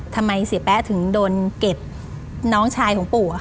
ทำไมเสียแป๊ะถึงโดนเก็บน้องชายของปู่